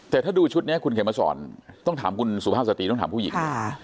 แต่ถ้าดูชุดนี้คุณเขียนมาสอนต้องถามคุณสุภาพสตรีต้องถามผู้หญิง